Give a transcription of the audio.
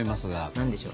何でしょう？